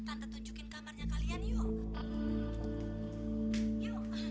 tante tunjukin kabarnya kalian yuk